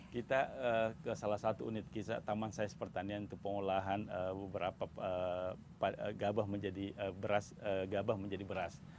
kita ke salah satu unit kisah taman size pertanian itu pengolahan beberapa gabah menjadi beras